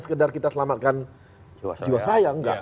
sekedar kita selamatkan jiwa saya enggak